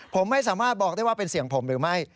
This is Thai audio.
ผมไม่สามารถบอกได้ว่าเป็นเสียงผมหรือไม่